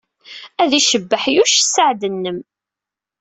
Ad icebbeḥ Yuc sseɛd-nnem.